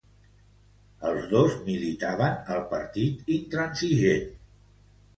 Els dos militaven al Partit Intransigent.